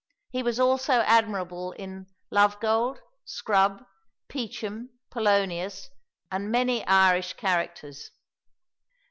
He was also admirable in Lovegold, Scrub, Peachem, Polonius, and many Irish characters.